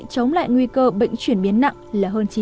chống lại nguy cơ bệnh chuyển biến nặng là hơn chín